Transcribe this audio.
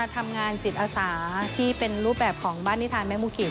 ทำงานจิตอาสาที่เป็นรูปแบบของบ้านนิทานแม่มูกิจ